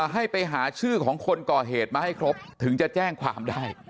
ให้ไปหาชื่อของคนก่อเหตุมาให้ครบถึงจะแจ้งความได้